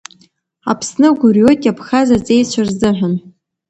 Аԥсны гәырҩоит иаԥхаз аҵеицәа рзыҳәан.